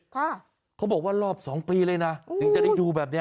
ค่ะเค้าบอกว่ารอบ๒ปีเลยนะถึงจะได้ดูแบบนี้